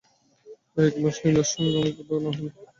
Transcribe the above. প্রায় একমাস লীনার সঙ্গে আমার কোনো কথা হল না।